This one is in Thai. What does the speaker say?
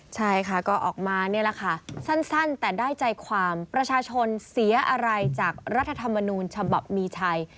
ใช่ค่ะก็ออกมานี่แหละค่ะสั้นแต่ได้ใจความประชาชนเสียอะไรจากรัฐธรรมนูญฉบับมีชัย